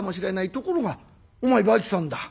ところがお前梅喜さんだ。